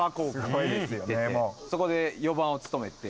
そこで４番を務めて。